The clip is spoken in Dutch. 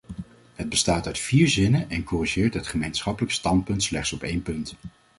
Het bestaat uit vier zinnen en corrigeert het gemeenschappelijk standpunt slechts op één punt.